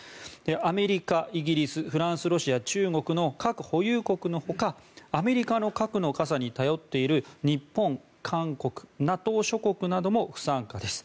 アメリカ、イギリス、フランスロシア、中国の核保有国のほかアメリカの核の傘に頼っっている日本、韓国、ＮＡＴＯ諸国なども不参加です。